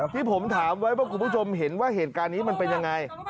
ที่ผมถามไว้ว่าคุณผู้ชมเห็นว่าเหตุการณ์นี้มันเป็นยังไง